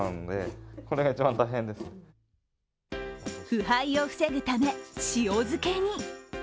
腐敗を防ぐため塩漬けに。